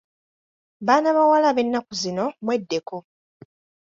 Baana bawala ab'ennaku zino mweddeko!